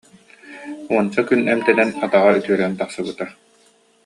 Уонча күн эмтэнэн атаҕа үтүөрэн тахсыбыта